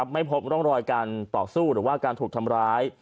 ไม่พบร่องรอยการต่อสู้หรือว่าการถูกทำร้าย